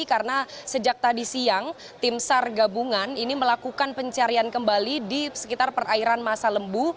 karena sejak tadi siang tim sar gabungan ini melakukan pencarian kembali di sekitar perairan masa lembu